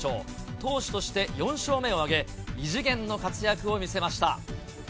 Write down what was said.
投手として４勝目を挙げ、異次元の活躍を見せました。